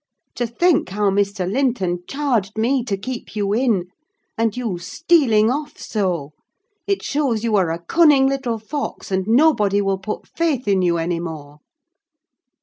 To think how Mr. Linton charged me to keep you in; and you stealing off so! It shows you are a cunning little fox, and nobody will put faith in you any more."